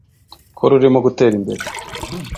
ko rurimo gutera imbere